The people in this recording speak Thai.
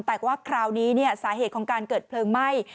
แต่ว่าคราวนี้สาเหตุของการเกิดเพลิงไหม้